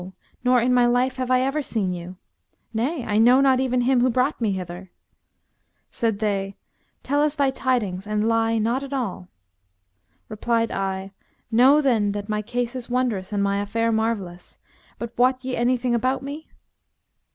nor in my life have I ever seen you; nay, I know not even him who brought me hither.' Said they, 'Tell us thy tidings and lie not at all.' Replied I, 'Know then that my case is wondrous and my affair marvellous; but wot ye anything about me?'